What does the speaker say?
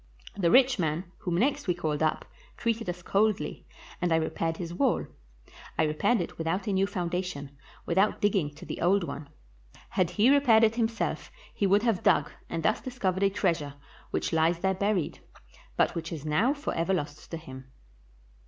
The rich man, whom next we called up, treated us coldly, and I repaired his wall. I repaired it without a new foundation, without digging to the old one. Had he repaired it himself he would have dug, and thus discovered a treasure which Ues there buried, but which is now forever lost to him.